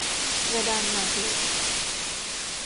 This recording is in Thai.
กระดานหมากรุก